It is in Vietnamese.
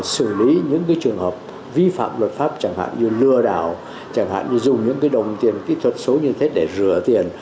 xử lý những trường hợp vi phạm luật pháp chẳng hạn như lừa đảo chẳng hạn như dùng những đồng tiền kỹ thuật số như thế để rửa tiền